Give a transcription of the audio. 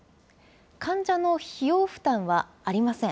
患者の費用負担はありません。